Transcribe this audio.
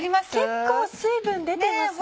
結構水分出てますよ。